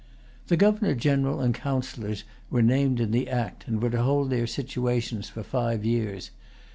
The Governor General and Councillors were named in the act, and were to hold their situations for five years.